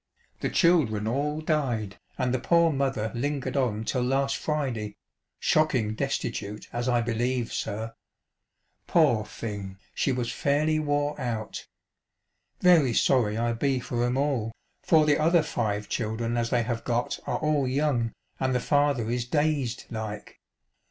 The children all died, and the poor mother lingered on till last Friday, shocking destitute as I believe, sir. Poor thing, she was fairly wore out. Very sorry I be for 'em all ; for the other five children as they have got are all young, and the father is dazed like.